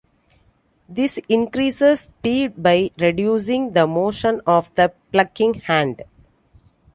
This increases speed by reducing the motion of the plucking hand.